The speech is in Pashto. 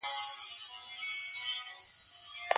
په ټولنه کي به د فتنو مخه نيول کيږي.